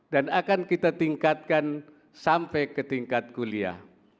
dan akan kita tingkatkan sampai ke tingkat kuliah